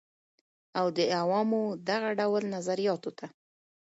او د عوامو دغه ډول نظریاتو ته